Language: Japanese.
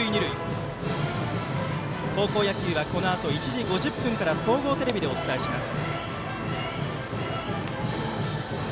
高校野球はこのあと１時５０分から総合テレビでお伝えします。